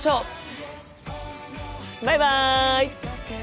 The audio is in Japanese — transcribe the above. バイバイ！